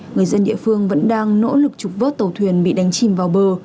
người dân địa phương vẫn đang nỗ lực trục vớt tàu thuyền bị đánh chìm vào bờ